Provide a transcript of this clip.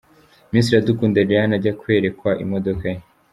Miss Iradukunda Liliane ajya kwerekwa imodoka ye.